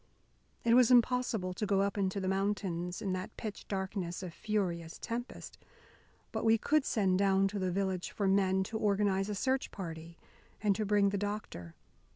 It was impossible to go up into the mountains in that pitch darkness of furious tempest. But we could send down to the village for men to organise a search party and to bring the doctor.